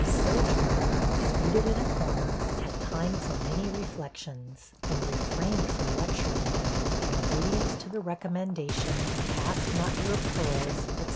Sojourner, seated in a corner, had time for many reflections, and refrained from lecturing them, in obedience to the recommendation, 'Cast not your pearls,' &c.